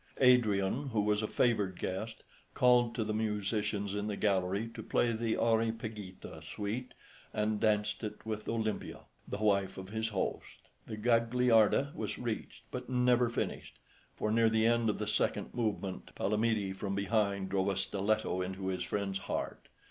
Adrian, who was a favoured guest, called to the musicians in the gallery to play the "Areopagita" suite, and danced it with Olimpia, the wife of his host. The Gagliarda was reached but never finished, for near the end of the second movement Palamede from behind drove a stiletto into his friend's heart.